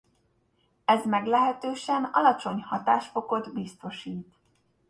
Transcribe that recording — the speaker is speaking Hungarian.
Ez meglehetősen alacsony hatásfokot biztosít.